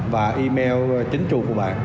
và email chính chủ của bạn